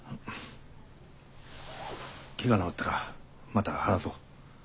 ケガ治ったらまた話そう。